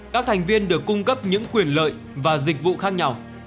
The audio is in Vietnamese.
các thành viên được cung cấp những quyền lợi và dịch vụ khác nhau